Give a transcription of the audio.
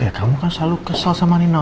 ya kamu kan selalu kesal sama nino